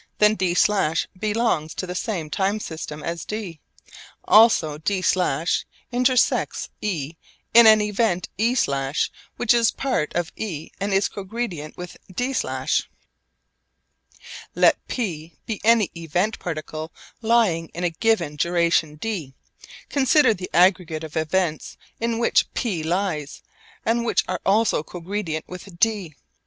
Then d′ belongs to the same time system as d. Also d′ intersects e in an event e′ which is part of e and is cogredient with d′. Let P be any event particle lying in a given duration d. Consider the aggregate of events in which P lies and which are also cogredient with d.